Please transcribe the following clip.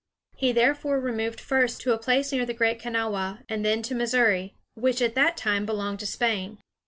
He therefore removed first to a place near the Great Ka na´wha, and then to Missouri, which at that time belonged to Spain.